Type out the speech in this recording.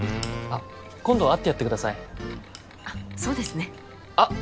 あっ今度会ってやってくださいあっそうですねあっ！